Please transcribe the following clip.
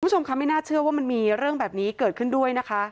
คุณผู้ชมคะไม่น่าเชื่อว่ามันมีเรื่องแบบนี้เกิดขึ้นด้วยนะคะ